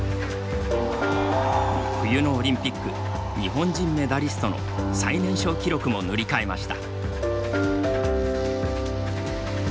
冬のオリンピック日本人メダリストの最年少記録も塗り替えました。